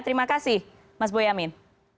terima kasih mas boyamin